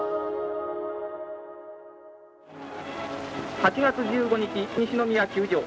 ８月１５日、西宮球場。